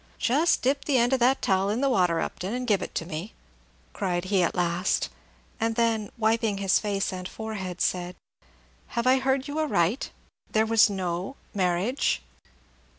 "Just dip the end of that towel in the water, Upton, and give it to me," cried he at last; and then, wiping his face and forehead, said, "Have I heard you aright, there was no marriage?"